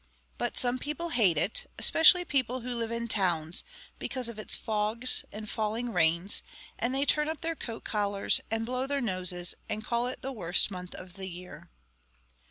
But some people hate it, especially people who live in towns, because of its fogs and falling rains, and they turn up their coat collars, and blow their noses, and call it the worst month of the year.